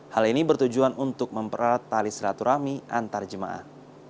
hal ini bertujuan untuk memperat tali seraturami antar jemaah